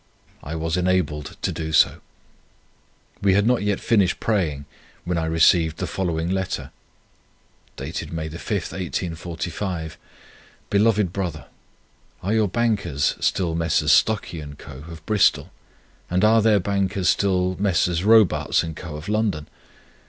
I was enabled to do so. We had not yet finished praying when I received the following letter: May 5, 1845 Beloved Brother, Are your bankers still Messrs. Stuckey and Co. of Bristol, and are their bankers still Messrs. Robarts and Co. of London?